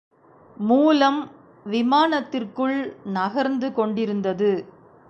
மூலம் விமானத்திற்குள் நகர்ந்து கொண்டிருந்தது.